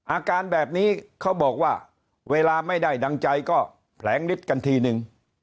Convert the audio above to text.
อาการแบบนี้เขาบอกว่าเวลาไม่ได้ดังใจก็แผลงฤทธิ์กันทีนึง